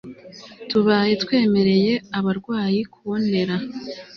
Tubaye twemereye abarwayi kubonera